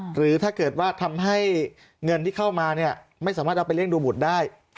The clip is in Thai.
หรือถ้าเกิดว่าทำให้เงินที่เข้ามาเนี่ยไม่สามารถเอาไปเลี่ดูบุตรได้